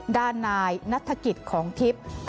ด้านนายนัฐกิจของทิพย์